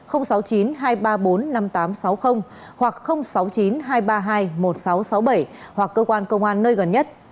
hoặc sáu mươi chín hai trăm ba mươi hai một nghìn sáu trăm sáu mươi bảy hoặc cơ quan công an nơi gần nhất